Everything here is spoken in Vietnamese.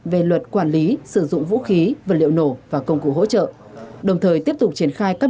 về luật quản lý sử dụng vũ khí vật liệu nổ và công cụ hỗ trợ đồng thời tiếp tục triển khai các